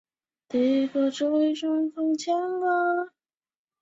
长昌基隆竞选总部昨也到基隆地检署控告国民党及基隆市政府。